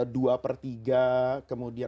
dua per tiga